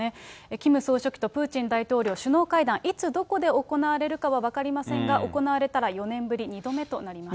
キム総書記とプーチン大統領、首脳会談、いつ、どこで行われるかは分かりませんが、行われたら４年ぶり２度目となります。